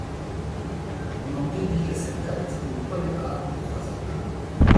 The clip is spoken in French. On en déduit qu'à cette date il prenait part aux croisades.